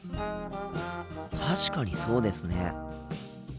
確かにそうですね。